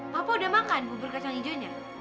papa udah makan bubur kacang hijaunya